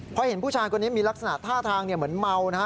เพราะเห็นผู้ชายคนนี้มีลักษณะท่าทางเหมือนเมานะฮะ